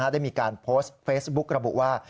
ได้มีการโพสต์เฟซบุ๊กระบุว่า